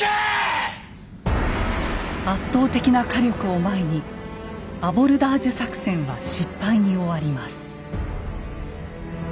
圧倒的な火力を前にアボルダージュ作戦は失敗に終わります。